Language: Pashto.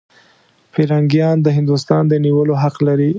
پیرنګیان د هندوستان د نیولو حق لري.